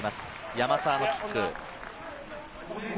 山沢のキック。